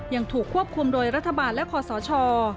ยังถูกควบคุมโดยรัฐบาลและคอสช